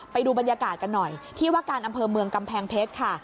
ไปดูบรรยากาศกันหน่อยที่ว่าการอำเภอเมืองกำแพงเพชรค่ะ